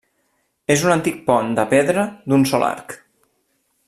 És un antic pont de pedra d'un sòl arc.